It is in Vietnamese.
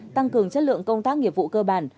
tăng cường chất lượng công tác nghiệp vụ cơ bản